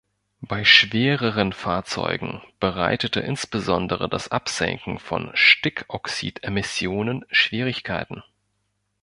Bei schwereren Fahrzeugen bereitete insbesondere das Absenken von Stickoxidemissionen Schwierigkeiten.